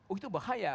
oh itu bahaya